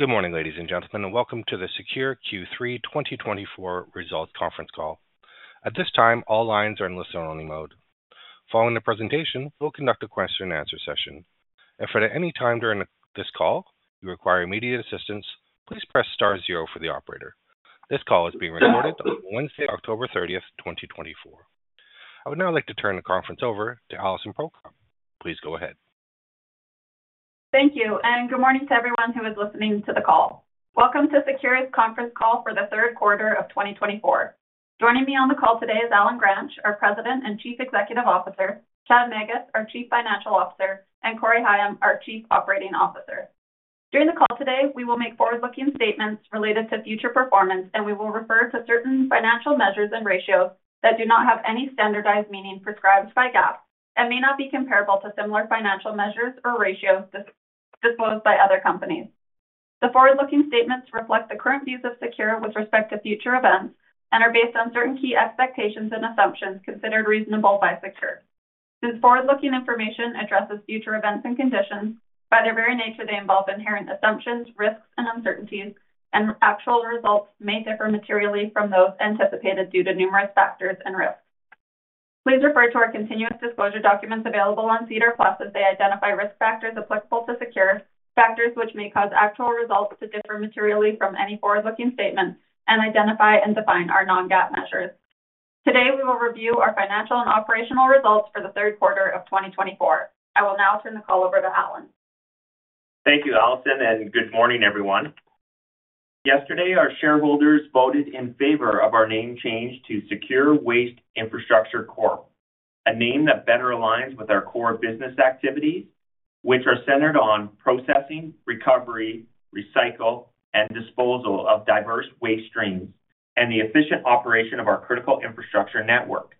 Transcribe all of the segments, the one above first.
Good morning, ladies and gentlemen, and welcome to the SECURE Q3 2024 Results Conference Call. At this time, all lines are in listen-only mode. Following the presentation, we'll conduct a question-and-answer session. If at any time during this call you require immediate assistance, please press star zero for the operator. This call is being recorded on Wednesday, October 30th, 2024. I would now like to turn the conference over to Alison Prokop. Please go ahead. Thank you, and good morning to everyone who is listening to the call. Welcome to SECURE's conference call for the third quarter of 2024. Joining me on the call today is Allen Gransch, our President and Chief Executive Officer, Chad Magus, our Chief Financial Officer, and Corey Higham, our Chief Operating Officer. During the call today, we will make forward-looking statements related to future performance, and we will refer to certain financial measures and ratios that do not have any standardized meaning prescribed by GAAP and may not be comparable to similar financial measures or ratios disclosed by other companies. The forward-looking statements reflect the current views of SECURE with respect to future events and are based on certain key expectations and assumptions considered reasonable by SECURE. Since forward-looking information addresses future events and conditions, by their very nature, they involve inherent assumptions, risks, and uncertainties, and actual results may differ materially from those anticipated due to numerous factors and risks. Please refer to our continuous disclosure documents available on SEDAR+ as they identify risk factors applicable to SECURE, factors which may cause actual results to differ materially from any forward-looking statement, and identify and define our non-GAAP measures. Today, we will review our financial and operational results for the third quarter of 2024. I will now turn the call over to Allen. Thank you, Alison, and good morning, everyone. Yesterday, our shareholders voted in favor of our name change to SECURE Waste Infrastructure Corp, a name that better aligns with our core business activities, which are centered on processing, recovery, recycle, and disposal of diverse waste streams, and the efficient operation of our critical infrastructure network.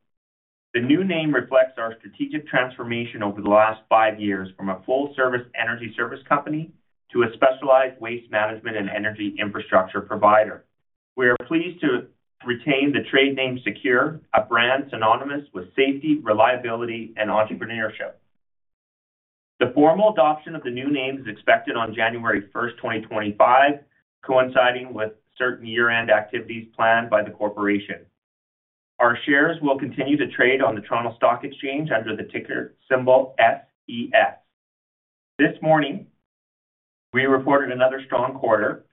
The new name reflects our strategic transformation over the last five years from a full-service energy service company to a specialized waste management and energy infrastructure provider. We are pleased to retain the trade name SECURE, a brand synonymous with safety, reliability, and entrepreneurship. The formal adoption of the new name is expected on January 1st, 2025, coinciding with certain year-end activities planned by the corporation. Our shares will continue to trade on the Toronto Stock Exchange under the ticker symbol SES. This morning, we reported another strong quarter,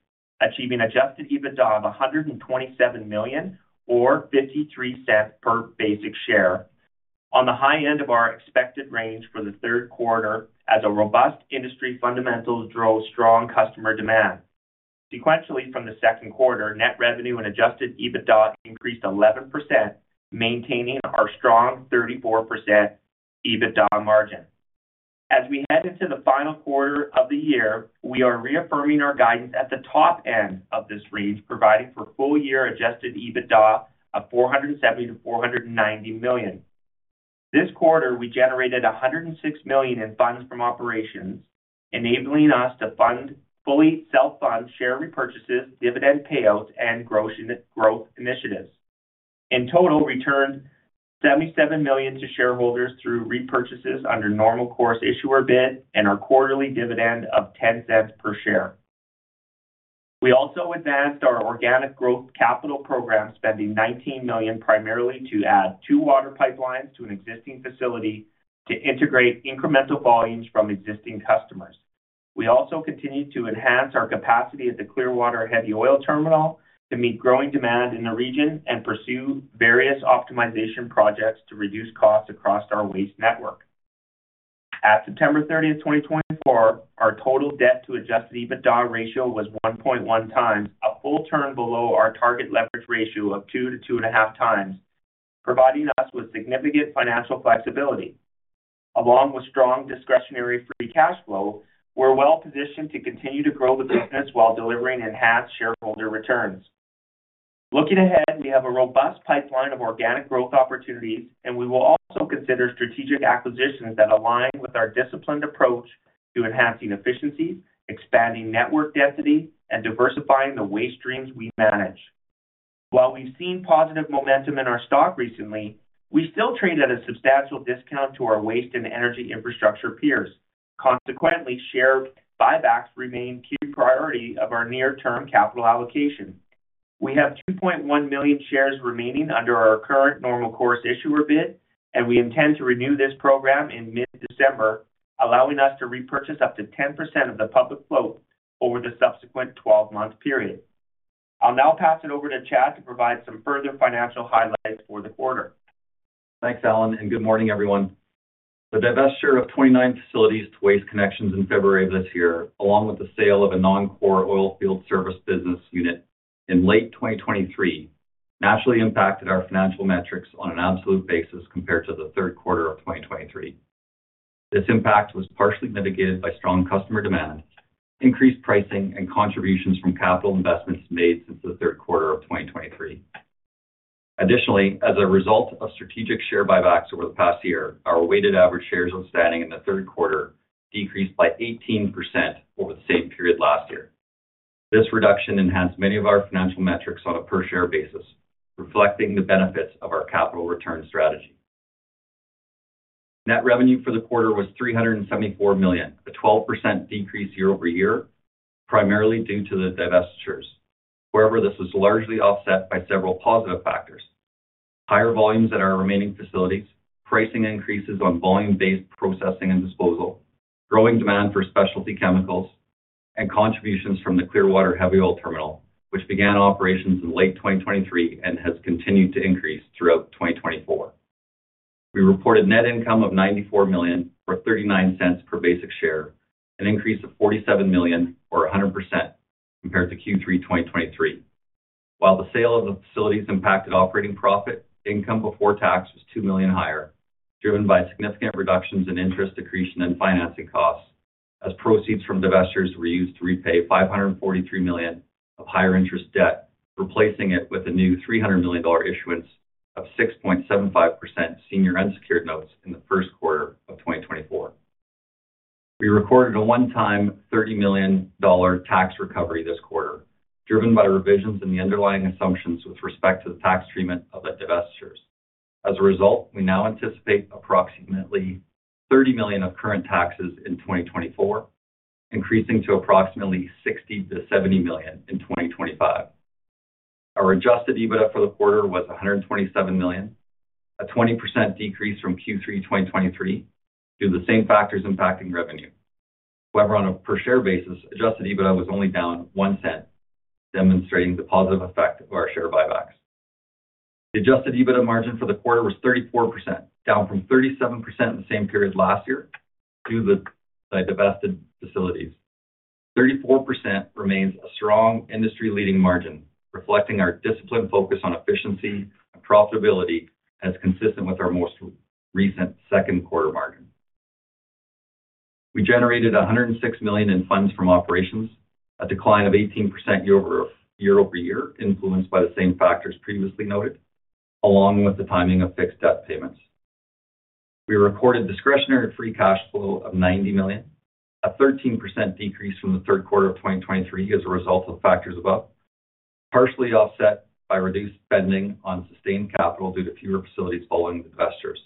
achieving Adjusted EBITDA of 127 million, or 0.53 per basic share, on the high end of our expected range for the third quarter as robust industry fundamentals drove strong customer demand. Sequentially, from the second quarter, net revenue and Adjusted EBITDA increased 11%, maintaining our strong 34% EBITDA margin. As we head into the final quarter of the year, we are reaffirming our guidance at the top end of this range, providing for full-year Adjusted EBITDA of 470-490 million. This quarter, we generated 106 million in Funds from Operations, enabling us to fully self-fund share repurchases, dividend payouts, and growth initiatives. In total, we returned 77 million to shareholders through repurchases under Normal Course Issuer Bid and our quarterly dividend of 0.10 per share. We also advanced our organic growth capital program, spending 19 million primarily to add two water pipelines to an existing facility to integrate incremental volumes from existing customers. We also continue to enhance our capacity at the Clearwater Heavy Oil Terminal to meet growing demand in the region and pursue various optimization projects to reduce costs across our waste network. At September 30th, 2024, our total debt-to-Adjusted EBITDA ratio was 1.1 times, a full turn below our target leverage ratio of 2-2.5 times, providing us with significant financial flexibility. Along with strong discretionary free cash flow, we're well-positioned to continue to grow the business while delivering enhanced shareholder returns. Looking ahead, we have a robust pipeline of organic growth opportunities, and we will also consider strategic acquisitions that align with our disciplined approach to enhancing efficiencies, expanding network density, and diversifying the waste streams we manage. While we've seen positive momentum in our stock recently, we still trade at a substantial discount to our waste and energy infrastructure peers. Consequently, share buybacks remain a key priority of our near-term capital allocation. We have 2.1 million shares remaining under our current Normal Course Issuer Bid, and we intend to renew this program in mid-December, allowing us to repurchase up to 10% of the public float over the subsequent 12-month period. I'll now pass it over to Chad to provide some further financial highlights for the quarter. Thanks, Allen, and good morning, everyone. The divestiture of 29 facilities to Waste Connections in February of this year, along with the sale of a non-core oilfield service business unit in late 2023, naturally impacted our financial metrics on an absolute basis compared to the third quarter of 2023. This impact was partially mitigated by strong customer demand, increased pricing, and contributions from capital investments made since the third quarter of 2023. Additionally, as a result of strategic share buybacks over the past year, our weighted average shares outstanding in the third quarter decreased by 18% over the same period last year. This reduction enhanced many of our financial metrics on a per-share basis, reflecting the benefits of our capital return strategy. Net revenue for the quarter was 374 million, a 12% decrease year-over-year, primarily due to the divestitures. However, this was largely offset by several positive factors: higher volumes at our remaining facilities, pricing increases on volume-based processing and disposal, growing demand for specialty chemicals, and contributions from the Clearwater Heavy Oil Terminal, which began operations in late 2023 and has continued to increase throughout 2024. We reported net income of 94 million, or 0.39 per basic share, an increase of 47 million, or 100%, compared to Q3 2023. While the sale of the facilities impacted operating profit, income before tax was 2 million higher, driven by significant reductions in interest accretion and financing costs, as proceeds from divestitures were used to repay 543 million of higher-interest debt, replacing it with a new 300 million dollar issuance of 6.75% senior unsecured notes in the first quarter of 2024. We recorded a one-time 30 million dollar tax recovery this quarter, driven by revisions in the underlying assumptions with respect to the tax treatment of the divestitures. As a result, we now anticipate approximately 30 million of current taxes in 2024, increasing to approximately 60 million to 70 million in 2025. Our adjusted EBITDA for the quarter was 127 million, a 20% decrease from Q3 2023, due to the same factors impacting revenue. However, on a per-share basis, adjusted EBITDA was only down 0.01, demonstrating the positive effect of our share buybacks. The adjusted EBITDA margin for the quarter was 34%, down from 37% in the same period last year due to the divested facilities. 34% remains a strong industry-leading margin, reflecting our disciplined focus on efficiency and profitability as consistent with our most recent second quarter margin. We generated 106 million in funds from operations, a decline of 18% year-over-year, influenced by the same factors previously noted, along with the timing of fixed debt payments. We recorded Discretionary Free Cash Flow of 90 million, a 13% decrease from the third quarter of 2023 as a result of factors above, partially offset by reduced spending on sustaining capital due to fewer facilities following the divestitures.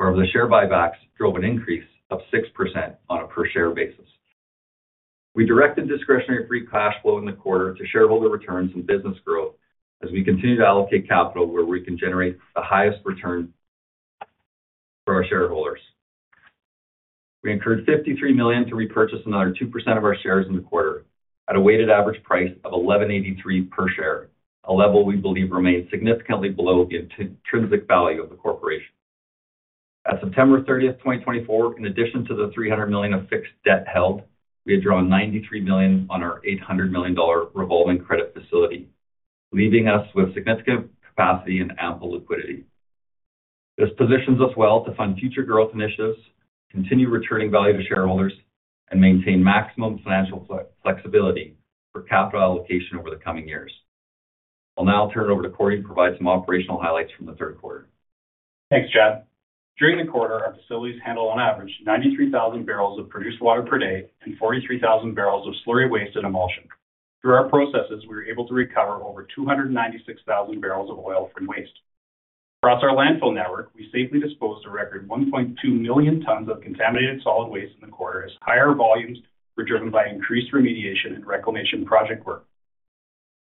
However, the share buybacks drove an increase of 6% on a per-share basis. We directed Discretionary Free Cash Flow in the quarter to shareholder returns and business growth as we continue to allocate capital where we can generate the highest return for our shareholders. We incurred 53 million to repurchase another 2% of our shares in the quarter at a weighted average price of 11.83 per share, a level we believe remains significantly below the intrinsic value of the corporation. At September 30th, 2024, in addition to the 300 million of fixed debt held, we had drawn 93 million on our 800 million dollar revolving credit facility, leaving us with significant capacity and ample liquidity. This positions us well to fund future growth initiatives, continue returning value to shareholders, and maintain maximum financial flexibility for capital allocation over the coming years. I'll now turn it over to Corey to provide some operational highlights from the third quarter. Thanks, Chad. During the quarter, our facilities handled, on average, 93,000 barrels of produced water per day and 43,000 barrels of slurry waste and emulsion. Through our processes, we were able to recover over 296,000 barrels of oil from waste. Across our landfill network, we safely disposed of a record 1.2 million tons of contaminated solid waste in the quarter as higher volumes were driven by increased remediation and reclamation project work.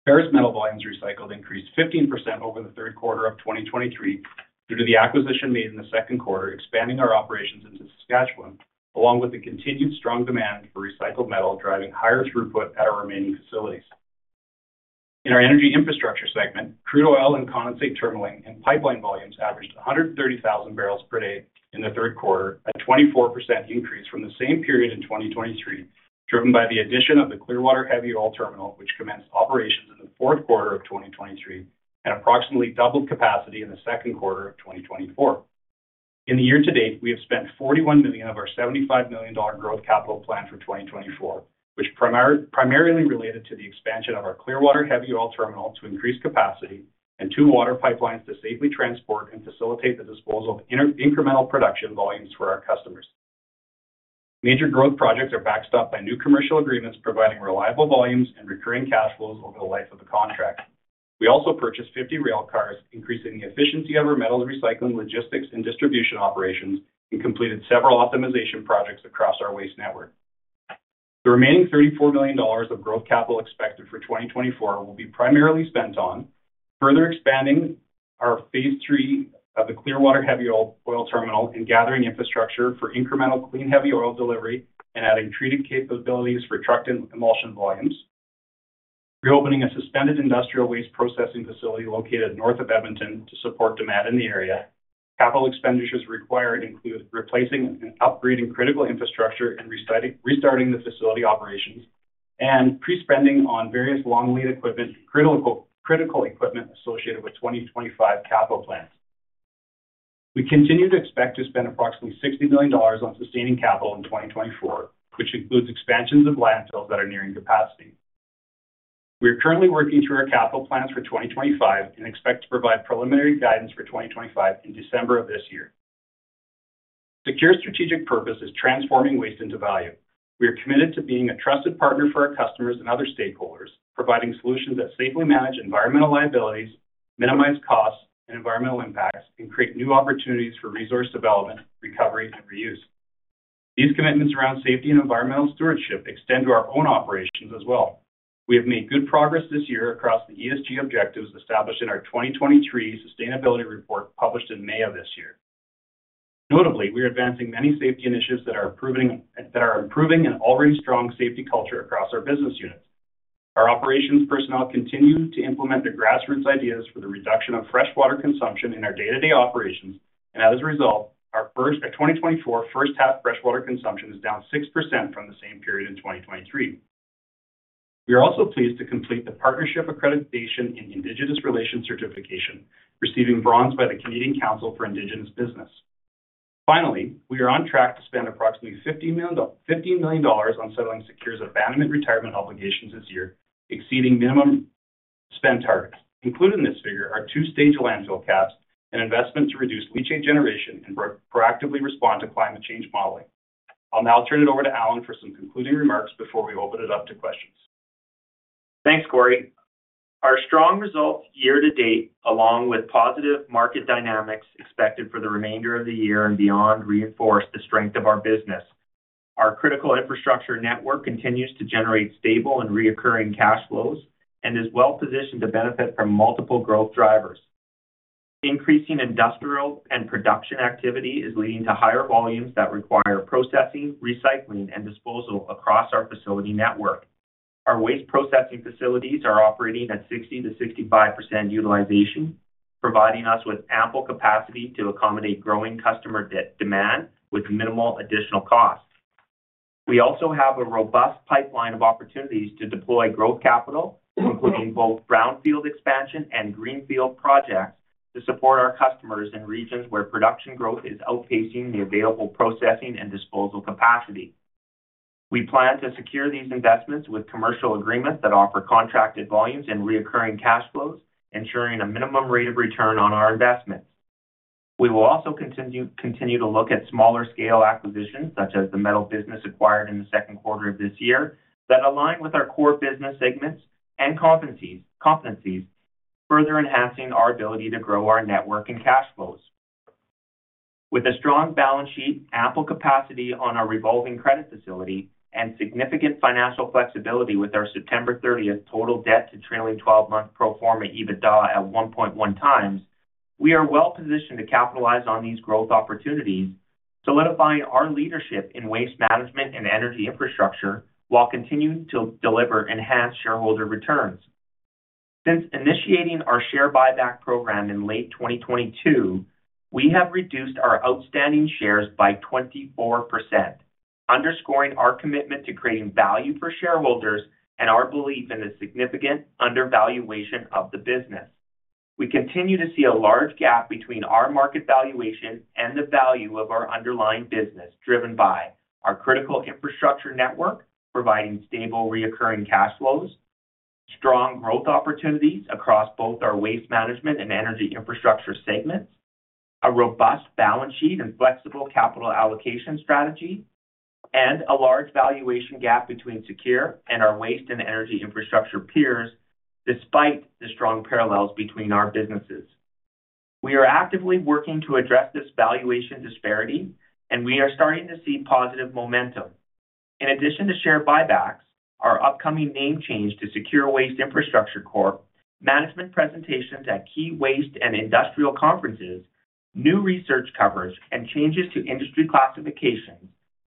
Ferrous metal volumes recycled increased 15% over the third quarter of 2023 due to the acquisition made in the second quarter, expanding our operations into Saskatchewan, along with the continued strong demand for recycled metal driving higher throughput at our remaining facilities. In our energy infrastructure segment, crude oil and condensate terminaling and pipeline volumes averaged 130,000 barrels per day in the third quarter, a 24% increase from the same period in 2023, driven by the addition of the Clearwater Heavy Oil Terminal, which commenced operations in the fourth quarter of 2023 and approximately doubled capacity in the second quarter of 2024. In the year to date, we have spent 41 million of our 75 million dollar growth capital planned for 2024, which primarily related to the expansion of our Clearwater Heavy Oil Terminal to increase capacity and two water pipelines to safely transport and facilitate the disposal of incremental production volumes for our customers. Major growth projects are backstopped by new commercial agreements, providing reliable volumes and recurring cash flows over the life of the contract. We also purchased 50 rail cars, increasing the efficiency of our metals recycling, logistics, and distribution operations, and completed several optimization projects across our waste network. The remaining 34 million dollars of growth capital expected for 2024 will be primarily spent on further expanding our phase 3 of the Clearwater Heavy Oil Terminal and gathering infrastructure for incremental clean heavy oil delivery and adding treated capabilities for trucked and emulsion volumes, reopening a suspended industrial waste processing facility located north of Edmonton to support demand in the area. Capital expenditures required include replacing and upgrading critical infrastructure and restarting the facility operations, and pre-spending on various long-lead equipment and critical equipment associated with 2025 capital plans. We continue to expect to spend approximately 60 million dollars on sustaining capital in 2024, which includes expansions of landfills that are nearing capacity. We are currently working through our capital plans for 2025 and expect to provide preliminary guidance for 2025 in December of this year. SECURE's strategic purpose is transforming waste into value. We are committed to being a trusted partner for our customers and other stakeholders, providing solutions that safely manage environmental liabilities, minimize costs and environmental impacts, and create new opportunities for resource development, recovery, and reuse. These commitments around safety and environmental stewardship extend to our own operations as well. We have made good progress this year across the ESG objectives established in our 2023 sustainability report published in May of this year. Notably, we are advancing many safety initiatives that are improving an already strong safety culture across our business units. Our operations personnel continue to implement the grassroots ideas for the reduction of freshwater consumption in our day-to-day operations, and as a result, our 2024 first-half freshwater consumption is down 6% from the same period in 2023. We are also pleased to complete the Partnership Accreditation in Indigenous Relations Certification, receiving bronze by the Canadian Council for Indigenous Business. Finally, we are on track to spend approximately 15 million dollars on settling SECURE's Asset Retirement Obligations this year, exceeding minimum spend targets. Included in this figure are two-stage landfill caps and investment to reduce leachate generation and proactively respond to climate change modeling. I'll now turn it over to Allen for some concluding remarks before we open it up to questions. Thanks, Corey. Our strong results year to date, along with positive market dynamics expected for the remainder of the year and beyond, reinforce the strength of our business. Our critical infrastructure network continues to generate stable and recurring cash flows and is well-positioned to benefit from multiple growth drivers. Increasing industrial and production activity is leading to higher volumes that require processing, recycling, and disposal across our facility network. Our waste processing facilities are operating at 60%-65% utilization, providing us with ample capacity to accommodate growing customer demand with minimal additional costs. We also have a robust pipeline of opportunities to deploy growth capital, including both brownfield expansion and greenfield projects, to support our customers in regions where production growth is outpacing the available processing and disposal capacity. We plan to secure these investments with commercial agreements that offer contracted volumes and recurring cash flows, ensuring a minimum rate of return on our investments. We will also continue to look at smaller-scale acquisitions, such as the metal business acquired in the second quarter of this year, that align with our core business segments and competencies, further enhancing our ability to grow our network and cash flows. With a strong balance sheet, ample capacity on our revolving credit facility, and significant financial flexibility with our September 30th total debt to trailing 12-month pro forma EBITDA at 1.1 times, we are well-positioned to capitalize on these growth opportunities, solidifying our leadership in waste management and energy infrastructure while continuing to deliver enhanced shareholder returns. Since initiating our share buyback program in late 2022, we have reduced our outstanding shares by 24%, underscoring our commitment to creating value for shareholders and our belief in the significant undervaluation of the business. We continue to see a large gap between our market valuation and the value of our underlying business, driven by our critical infrastructure network providing stable recurring cash flows, strong growth opportunities across both our waste management and energy infrastructure segments, a robust balance sheet and flexible capital allocation strategy, and a large valuation gap between SECURE and our waste and energy infrastructure peers, despite the strong parallels between our businesses. We are actively working to address this valuation disparity, and we are starting to see positive momentum. In addition to share buybacks, our upcoming name change to SECURE Waste Infrastructure Corp, management presentations at key waste and industrial conferences, new research coverage, and changes to industry classifications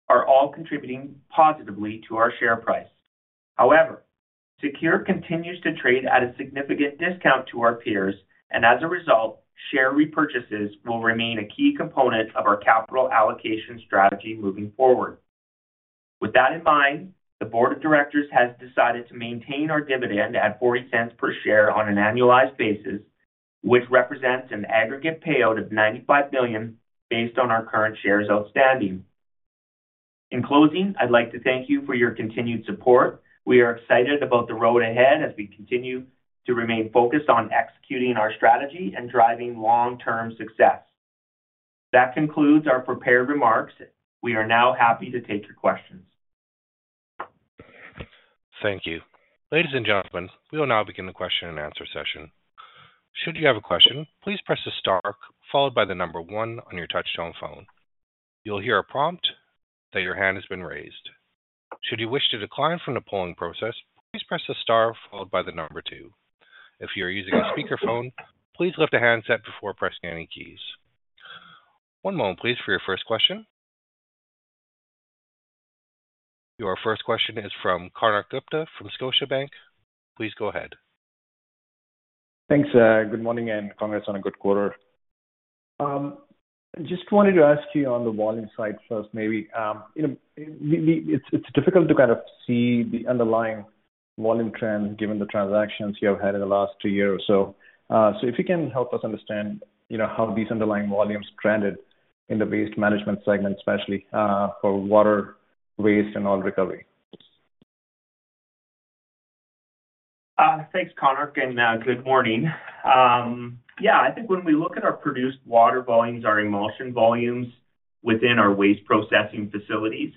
are all contributing positively to our share price. However, SECURE continues to trade at a significant discount to our peers, and as a result, share repurchases will remain a key component of our capital allocation strategy moving forward. With that in mind, the board of directors has decided to maintain our dividend at 0.40 per share on an annualized basis, which represents an aggregate payout of 95 million based on our current shares outstanding. In closing, I'd like to thank you for your continued support. We are excited about the road ahead as we continue to remain focused on executing our strategy and driving long-term success. That concludes our prepared remarks. We are now happy to take your questions. Thank you. Ladies and gentlemen, we will now begin the question and answer session. Should you have a question, please press the star followed by the number one on your touch-tone phone. You'll hear a prompt that your hand has been raised. Should you wish to decline from the polling process, please press the star followed by the number two. If you are using a speakerphone, please lift a handset before pressing any keys. One moment, please, for your first question. Your first question is from Konark Gupta from Scotiabank. Please go ahead. Thanks. Good morning and congrats on a good quarter. Just wanted to ask you on the volume side first, maybe. It's difficult to kind of see the underlying volume trends given the transactions you have had in the last two years or so. So if you can help us understand how these underlying volumes trended in the waste management segment, especially for wastewater and oil recovery? Thanks, Konark, and good morning. Yeah, I think when we look at our produced water volumes, our emulsion volumes within our waste processing facilities,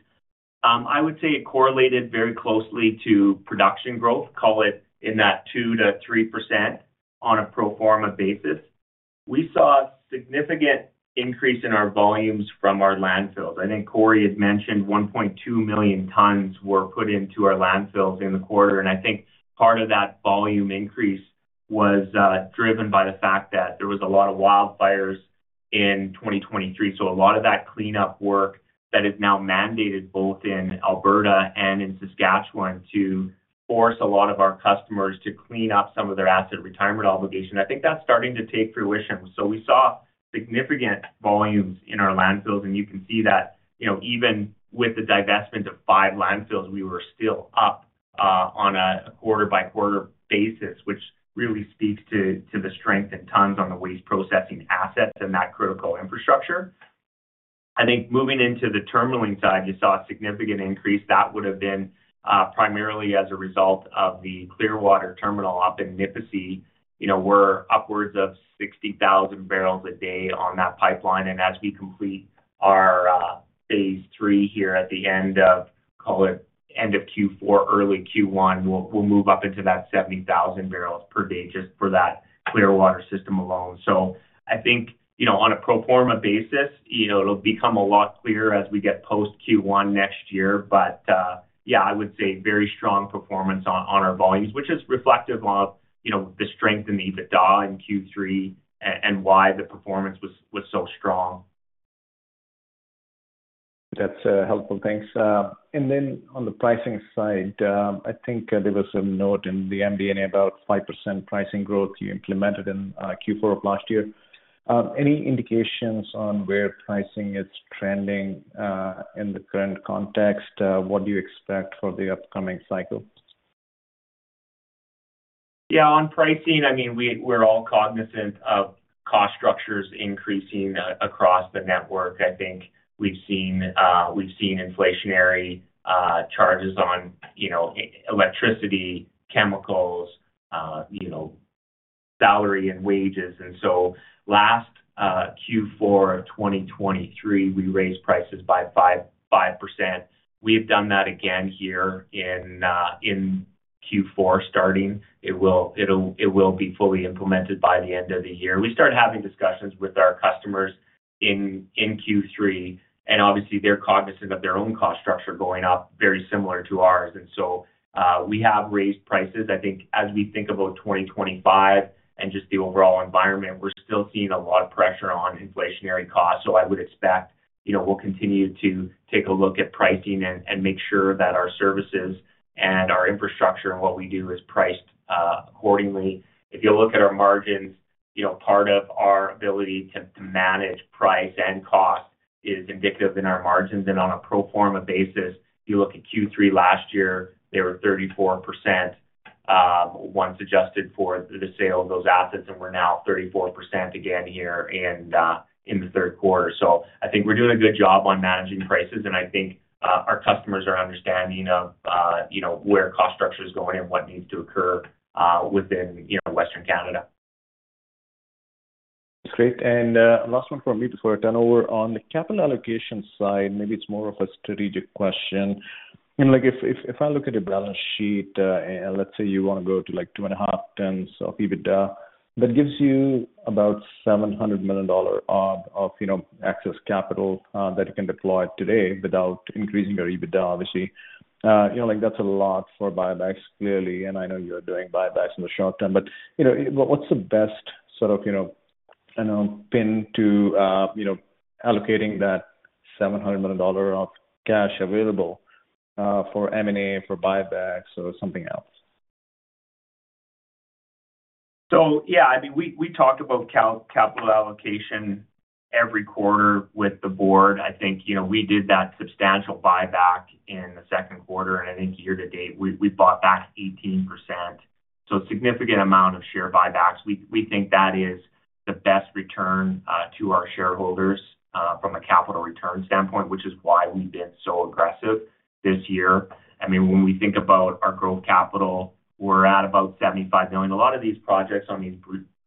I would say it correlated very closely to production growth, call it in that 2%-3% on a pro forma basis. We saw a significant increase in our volumes from our landfills. I think Corey had mentioned 1.2 million tons were put into our landfills in the quarter, and I think part of that volume increase was driven by the fact that there was a lot of wildfires in 2023. So a lot of that cleanup work that is now mandated both in Alberta and in Saskatchewan to force a lot of our customers to clean up some of their asset retirement obligations. I think that's starting to take fruition. We saw significant volumes in our landfills, and you can see that even with the divestment of five landfills, we were still up on a quarter-by-quarter basis, which really speaks to the strength in tons on the waste processing assets and that critical infrastructure. I think moving into the terminalling side, you saw a significant increase. That would have been primarily as a result of the Clearwater terminal up in Nipisi. We're upwards of 60,000 barrels a day on that pipeline, and as we complete our phase three here at the end of, call it, end of Q4, early Q1, we'll move up into that 70,000 barrels per day just for that Clearwater system alone. I think on a pro forma basis, it'll become a lot clearer as we get post Q1 next year. But yeah, I would say very strong performance on our volumes, which is reflective of the strength in the EBITDA in Q3 and why the performance was so strong. That's helpful. Thanks. And then on the pricing side, I think there was a note in the MD&A about 5% pricing growth you implemented in Q4 of last year. Any indications on where pricing is trending in the current context? What do you expect for the upcoming cycle? Yeah, on pricing, I mean, we're all cognizant of cost structures increasing across the network. I think we've seen inflationary charges on electricity, chemicals, salary, and wages. And so last Q4 of 2023, we raised prices by 5%. We have done that again here in Q4 starting. It will be fully implemented by the end of the year. We started having discussions with our customers in Q3, and obviously, they're cognizant of their own cost structure going up, very similar to ours. And so we have raised prices. I think as we think about 2025 and just the overall environment, we're still seeing a lot of pressure on inflationary costs. So I would expect we'll continue to take a look at pricing and make sure that our services and our infrastructure and what we do is priced accordingly. If you look at our margins, part of our ability to manage price and cost is indicative in our margins. And on a pro forma basis, if you look at Q3 last year, they were 34% once adjusted for the sale of those assets, and we're now 34% again here in the third quarter. So I think we're doing a good job on managing prices, and I think our customers are understanding of where cost structure is going and what needs to occur within Western Canada. That's great, and last one from me before I turn over. On the capital allocation side, maybe it's more of a strategic question. If I look at your balance sheet, and let's say you want to go to like 2.5 times EBITDA, that gives you about 700 million dollar of excess capital that you can deploy today without increasing your EBITDA, obviously. That's a lot for buybacks clearly, and I know you're doing buybacks in the short term, but what's the best sort of plan for allocating that 700 million dollar of cash available for M&A, for buybacks, or something else? So yeah, I mean, we talked about capital allocation every quarter with the board. I think we did that substantial buyback in the second quarter, and I think year to date, we bought back 18%. So a significant amount of share buybacks. We think that is the best return to our shareholders from a capital return standpoint, which is why we've been so aggressive this year. I mean, when we think about our growth capital, we're at about 75 million. A lot of these projects on these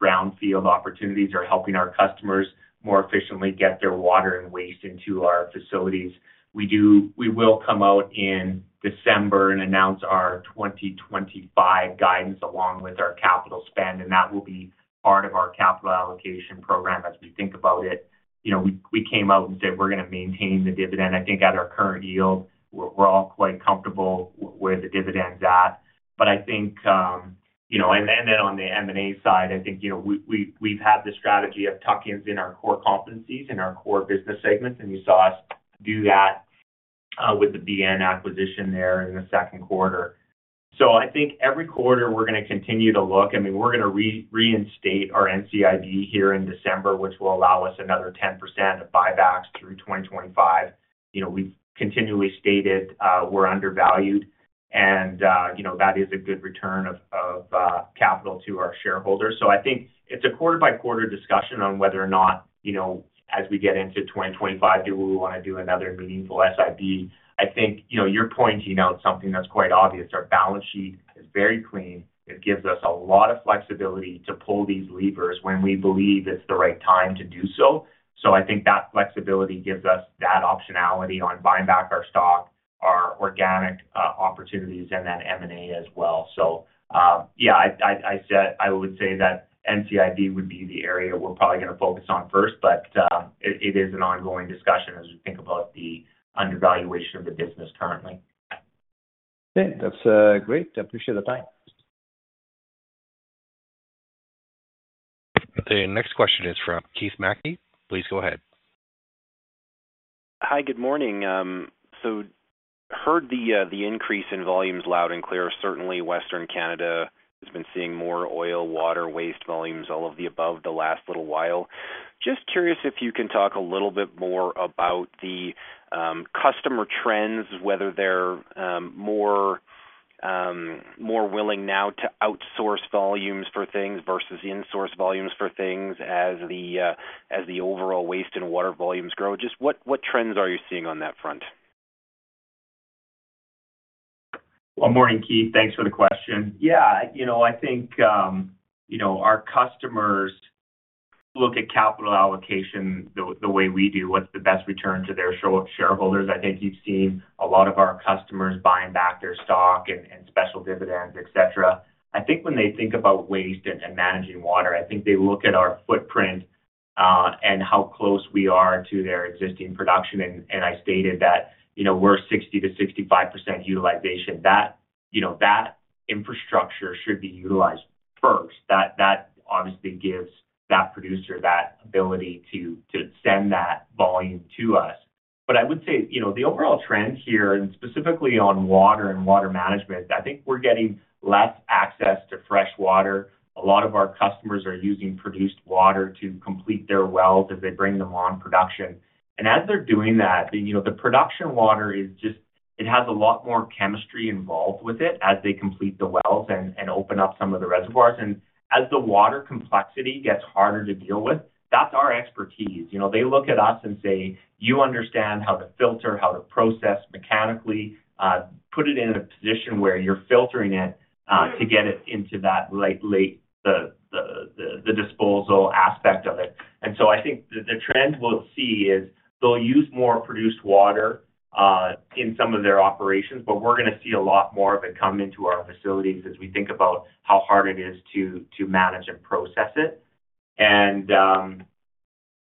brownfield opportunities are helping our customers more efficiently get their water and waste into our facilities. We will come out in December and announce our 2025 guidance along with our capital spend, and that will be part of our capital allocation program as we think about it. We came out and said we're going to maintain the dividend. I think at our current yield, we're all quite comfortable where the dividend's at, but I think, and then on the M&A side, I think we've had the strategy of tucking in our core competencies and our core business segments, and you saw us do that with the B&N acquisition there in the second quarter, so I think every quarter we're going to continue to look. I mean, we're going to reinstate our NCIB here in December, which will allow us another 10% of buybacks through 2025. We've continually stated we're undervalued, and that is a good return of capital to our shareholders, so I think it's a quarter-by-quarter discussion on whether or not, as we get into 2025, do we want to do another meaningful NCIB? I think you're pointing out something that's quite obvious. Our balance sheet is very clean. It gives us a lot of flexibility to pull these levers when we believe it's the right time to do so. So I think that flexibility gives us that optionality on buying back our stock, our organic opportunities, and then M&A as well. So yeah, I would say that NCIB would be the area we're probably going to focus on first, but it is an ongoing discussion as we think about the undervaluation of the business currently. Okay. That's great. I appreciate the time. The next question is from Keith Mackey. Please go ahead. Hi, good morning. So heard the increase in volumes loud and clear. Certainly, Western Canada has been seeing more oil, water, waste volumes, all of the above the last little while. Just curious if you can talk a little bit more about the customer trends, whether they're more willing now to outsource volumes for things versus insource volumes for things as the overall waste and water volumes grow. Just what trends are you seeing on that front? Morning, Keith. Thanks for the question. Yeah, I think our customers look at capital allocation the way we do. What's the best return to their shareholders? I think you've seen a lot of our customers buying back their stock and special dividends, etc. I think when they think about waste and managing water, I think they look at our footprint and how close we are to their existing production. And I stated that we're 60%-65% utilization. That infrastructure should be utilized first. That obviously gives that producer that ability to send that volume to us. But I would say the overall trend here, and specifically on water and water management, I think we're getting less access to freshwater. A lot of our customers are using produced water to complete their wells as they bring them on production. As they're doing that, the produced water is just, it has a lot more chemistry involved with it as they complete the wells and open up some of the reservoirs. As the water complexity gets harder to deal with, that's our expertise. They look at us and say, "You understand how to filter, how to process mechanically, put it in a position where you're filtering it to get it into that disposal aspect of it." So I think the trend we'll see is they'll use more produced water in some of their operations, but we're going to see a lot more of it come into our facilities as we think about how hard it is to manage and process it.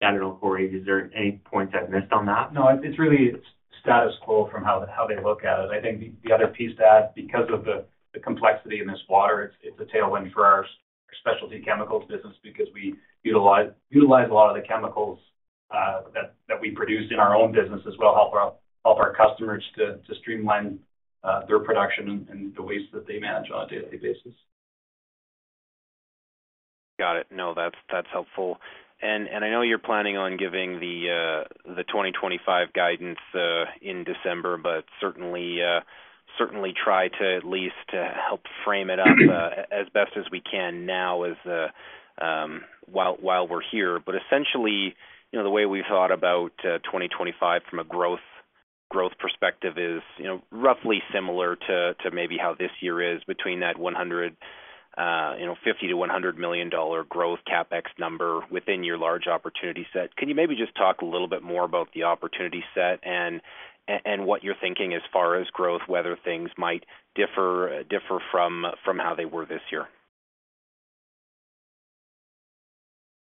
I don't know, Corey, is there any points I've missed on that? No, it's really status quo from how they look at it. I think the other piece to add, because of the complexity in this water, it's a tailwind for our specialty chemicals business because we utilize a lot of the chemicals that we produce in our own business as well to help our customers to streamline their production and the waste that they manage on a day-to-day basis. Got it. No, that's helpful. And I know you're planning on giving the 2025 guidance in December, but certainly try to at least help frame it up as best as we can now while we're here. But essentially, the way we've thought about 2025 from a growth perspective is roughly similar to maybe how this year is between that 50 million-100 million dollar growth CapEx number within your large opportunity set. Can you maybe just talk a little bit more about the opportunity set and what you're thinking as far as growth, whether things might differ from how they were this year?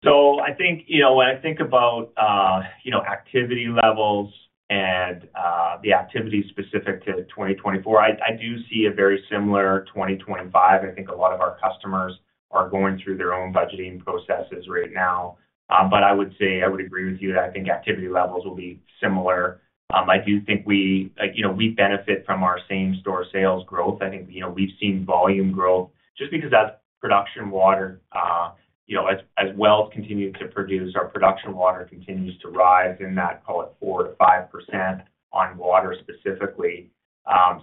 I think when I think about activity levels and the activity specific to 2024, I do see a very similar 2025. I think a lot of our customers are going through their own budgeting processes right now. I would say I would agree with you that I think activity levels will be similar. I do think we benefit from our same store sales growth. I think we've seen volume growth just because that's production water. As wells continue to produce, our production water continues to rise in that, call it, 4%-5% on water specifically. I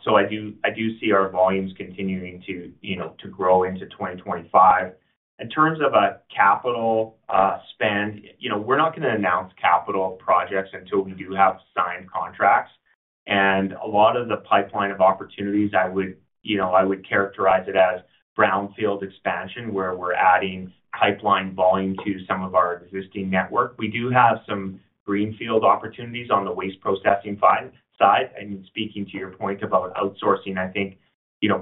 do see our volumes continuing to grow into 2025. In terms of a capital spend, we're not going to announce capital projects until we do have signed contracts. A lot of the pipeline of opportunities, I would characterize it as brownfield expansion where we're adding pipeline volume to some of our existing network. We do have some greenfield opportunities on the waste processing side. Speaking to your point about outsourcing, I think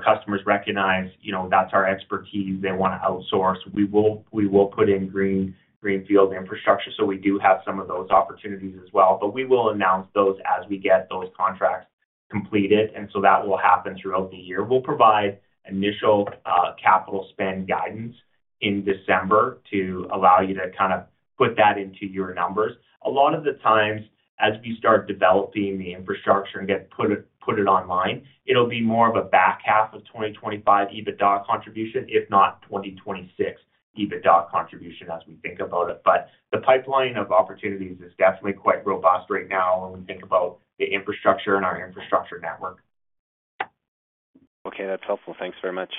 customers recognize that's our expertise. They want to outsource. We will put in greenfield infrastructure. So we do have some of those opportunities as well. But we will announce those as we get those contracts completed. And so that will happen throughout the year. We'll provide initial capital spend guidance in December to allow you to kind of put that into your numbers. A lot of the times, as we start developing the infrastructure and get it put online, it'll be more of a back half of 2025 EBITDA contribution, if not 2026 EBITDA contribution as we think about it. But the pipeline of opportunities is definitely quite robust right now when we think about the infrastructure and our infrastructure network. Okay. That's helpful. Thanks very much.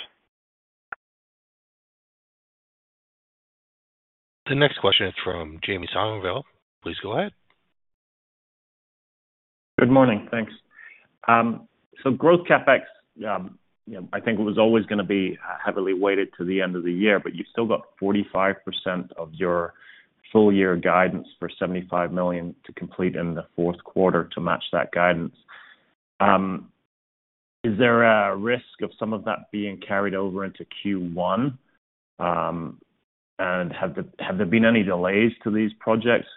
The next question is from Jamie Somerville. Please go ahead. Good morning. Thanks. Growth CapEx, I think it was always going to be heavily weighted to the end of the year, but you've still got 45% of your full-year guidance for 75 million to complete in the fourth quarter to match that guidance. Is there a risk of some of that being carried over into Q1? And have there been any delays to these projects?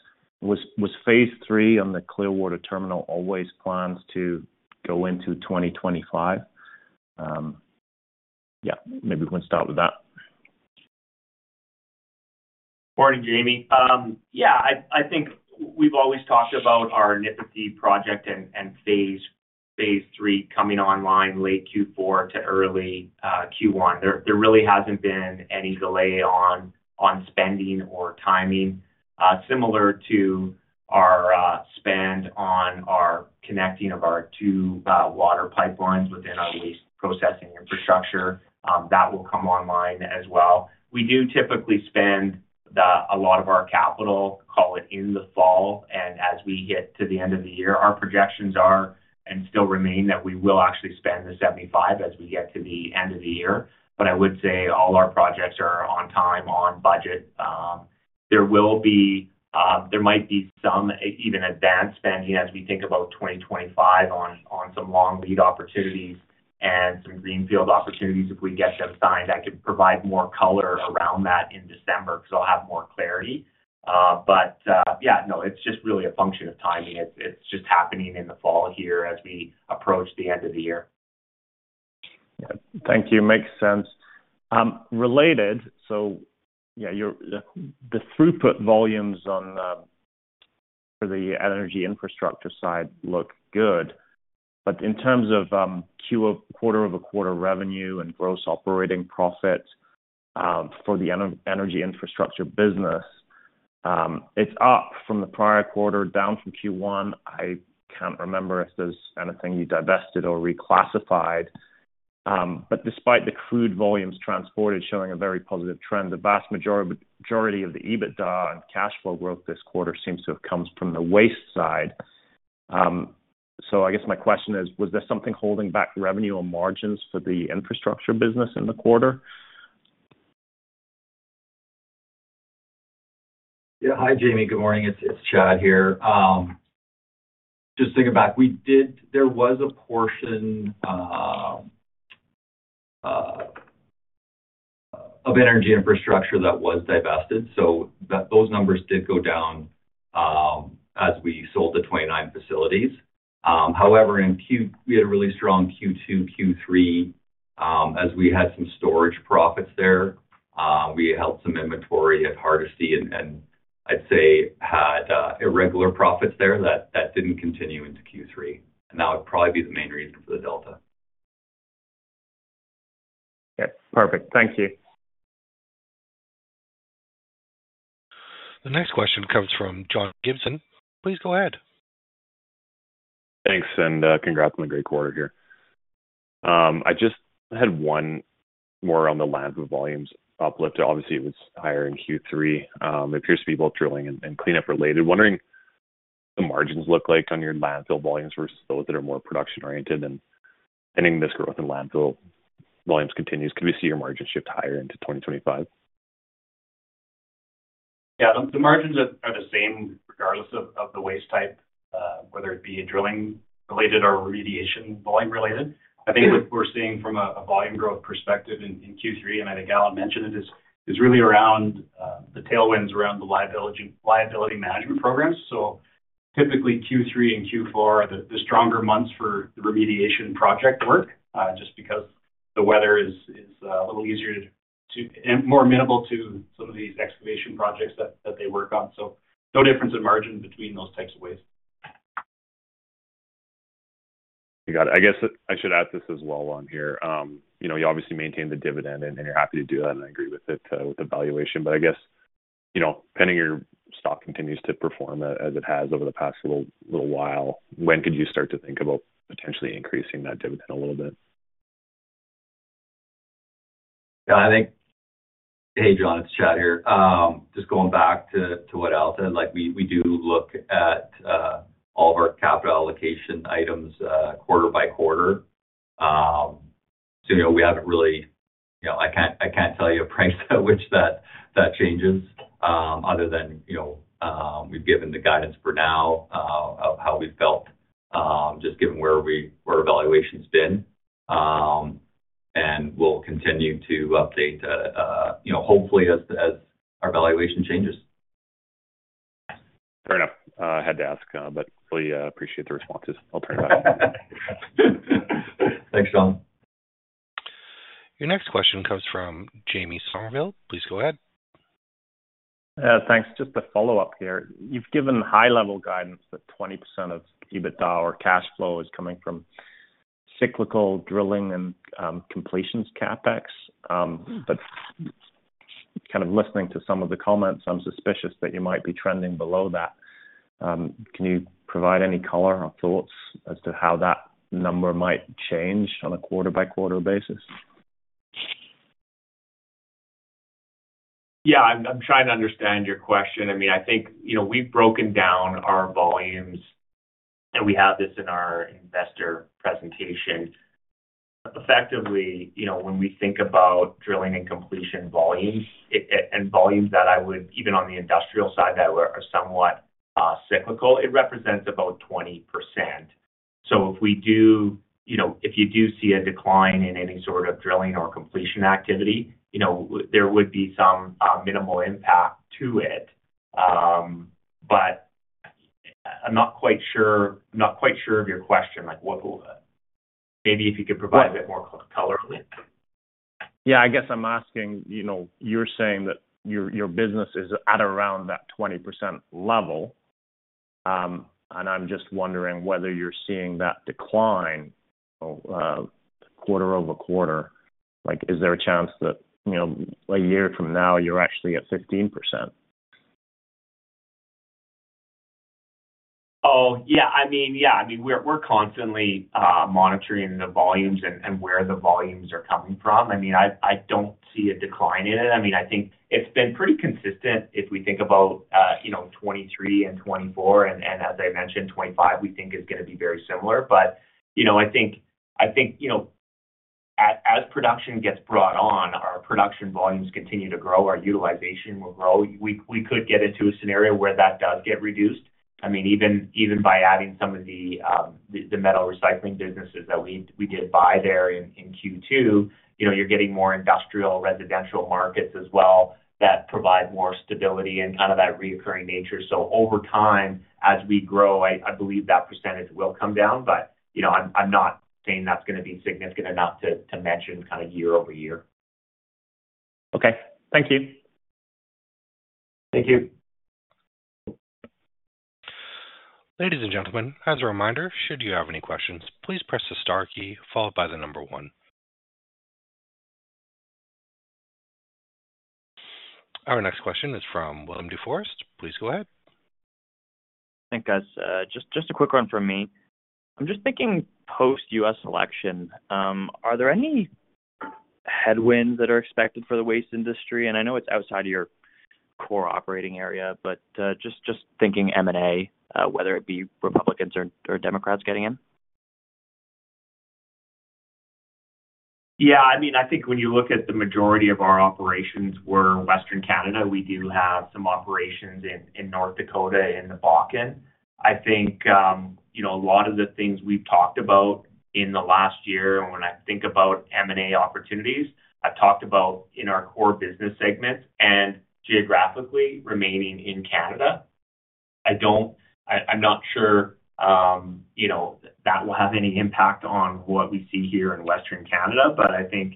Was Phase 3 on the Clearwater terminal always planned to go into 2025? Yeah, maybe we can start with that. Morning, Jamie. Yeah, I think we've always talked about our Nipisi project and Phase 3 coming online late Q4 to early Q1. There really hasn't been any delay on spending or timing. Similar to our spend on our connecting of our two water pipelines within our waste processing infrastructure, that will come online as well. We do typically spend a lot of our capital, call it, in the fall. And as we hit to the end of the year, our projections are and still remain that we will actually spend the 75 as we get to the end of the year. But I would say all our projects are on time, on budget. There might be some even advanced spending as we think about 2025 on some long-lead opportunities and some greenfield opportunities if we get them signed. I could provide more color around that in December because I'll have more clarity. But yeah, no, it's just really a function of timing. It's just happening in the fall here as we approach the end of the year. Yeah. Thank you. Makes sense. Related, so yeah, the throughput volumes for the energy infrastructure side look good. But in terms of quarter-over-quarter revenue and gross operating profit for the energy infrastructure business, it's up from the prior quarter, down from Q1. I can't remember if there's anything you divested or reclassified. But despite the crude volumes transported showing a very positive trend, the vast majority of the EBITDA and cash flow growth this quarter seems to have come from the waste side. So I guess my question is, was there something holding back revenue or margins for the infrastructure business in the quarter? Yeah. Hi, Jamie. Good morning. It's Chad here. Just thinking back, there was a portion of energy infrastructure that was divested. So those numbers did go down as we sold the 29 facilities. However, we had a really strong Q2, Q3 as we had some storage profits there. We held some inventory at Hardisty and I'd say had irregular profits there that didn't continue into Q3. And that would probably be the main reason for the delta. Okay. Perfect. Thank you. The next question comes from John Gibson. Please go ahead. Thanks, and congrats on the great quarter here. I just had one more on the landfill volumes uplift. Obviously, it was higher in Q3. It appears to be both drilling and cleanup related. Wondering what the margins look like on your landfill volumes versus those that are more production-oriented, and if any of this growth in landfill volumes continues. Could we see your margin shift higher into 2025? Yeah. The margins are the same regardless of the waste type, whether it be drilling-related or remediation-volume-related. I think what we're seeing from a volume growth perspective in Q3, and I think Allen mentioned it, is really around the tailwinds around the liability management programs. So typically, Q3 and Q4 are the stronger months for the remediation project work just because the weather is a little easier and more amenable to some of these excavation projects that they work on. So no difference in margin between those types of waste. I guess I should add this as well on here. You obviously maintain the dividend, and you're happy to do that, and I agree with it with the valuation. But I guess pending your stock continues to perform as it has over the past little while, when could you start to think about potentially increasing that dividend a little bit? Yeah. I think, hey, John, it's Chad here. Just going back to what Al said, we do look at all of our capital allocation items quarter by quarter. So we haven't really. I can't tell you a price at which that changes other than we've given the guidance for now of how we felt, just given where our valuation's been. And we'll continue to update, hopefully, as our valuation changes. Fair enough. I had to ask, but really appreciate the responses. I'll turn it back. Thanks, John. Your next question comes from Jamie Somerville. Please go ahead. Yeah. Thanks. Just a follow-up here. You've given high-level guidance that 20% of EBITDA or cash flow is coming from cyclical drilling and completions CapEx. But kind of listening to some of the comments, I'm suspicious that you might be trending below that. Can you provide any color or thoughts as to how that number might change on a quarter-by-quarter basis? Yeah. I'm trying to understand your question. I mean, I think we've broken down our volumes, and we have this in our investor presentation. Effectively, when we think about drilling and completion volumes and volumes that I would, even on the industrial side that are somewhat cyclical, it represents about 20%. So if we do, if you do see a decline in any sort of drilling or completion activity, there would be some minimal impact to it. But I'm not quite sure of your question. Maybe if you could provide a bit more color on it. Yeah. I guess I'm asking, you're saying that your business is at around that 20% level. And I'm just wondering whether you're seeing that decline quarter over quarter. Is there a chance that a year from now you're actually at 15%? Oh, yeah. I mean, yeah. I mean, we're constantly monitoring the volumes and where the volumes are coming from. I mean, I don't see a decline in it. I mean, I think it's been pretty consistent if we think about 2023 and 2024. And as I mentioned, 2025, we think is going to be very similar. But I think as production gets brought on, our production volumes continue to grow. Our utilization will grow. We could get into a scenario where that does get reduced. I mean, even by adding some of the metal recycling businesses that we did buy there in Q2, you're getting more industrial residential markets as well that provide more stability and kind of that recurring nature. So over time, as we grow, I believe that percentage will come down. But I'm not saying that's going to be significant enough to mention kind of year over year. Okay. Thank you. Thank you. Ladies and gentlemen, as a reminder, should you have any questions, please press the star key followed by the number one. Our next question is from Willem Vorster. Please go ahead. Thank you, guys. Just a quick one from me. I'm just thinking post-U.S. election, are there any headwinds that are expected for the waste industry? And I know it's outside of your core operating area, but just thinking M&A, whether it be Republicans or Democrats getting in. Yeah. I mean, I think when you look at the majority of our operations were in Western Canada, we do have some operations in North Dakota and the Bakken. I think a lot of the things we've talked about in the last year when I think about M&A opportunities, I've talked about in our core business segment and geographically remaining in Canada. I'm not sure that will have any impact on what we see here in Western Canada. But I think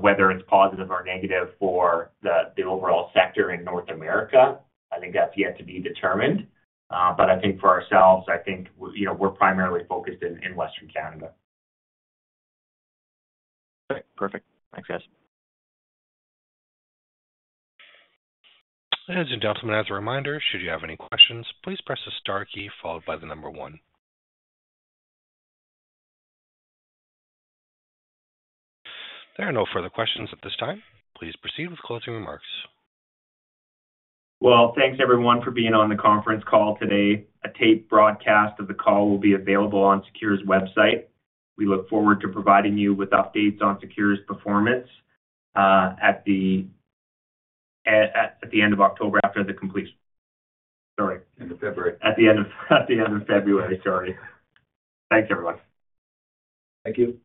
whether it's positive or negative for the overall sector in North America, I think that's yet to be determined. But I think for ourselves, I think we're primarily focused in Western Canada. Okay. Perfect. Thanks, guys. Ladies and gentlemen, as a reminder, should you have any questions, please press the star key followed by the number one. There are no further questions at this time. Please proceed with closing remarks. Thanks, everyone, for being on the conference call today. A tape broadcast of the call will be available on SECURE's website. We look forward to providing you with updates on SECURE's performance at the end of October. End of February. At the end of February. Sorry. Thanks, everyone. Thank you.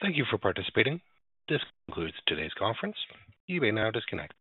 Thank you for participating. This concludes today's conference. You may now disconnect.